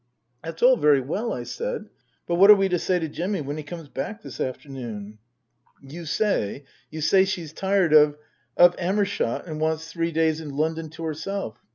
" That's all very well," I said, " but what are we to say to Jimmy when he comes back this afternoon ?"" You say you say she's tired of of Amershott and wants three days in London to herself.